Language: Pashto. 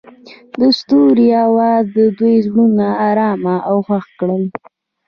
د ستوري اواز د دوی زړونه ارامه او خوښ کړل.